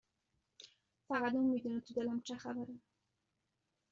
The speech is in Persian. فقط اون میدونه تو دلم چه خبره